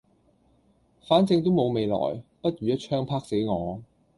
反正都冇未來不如一鎗啪死我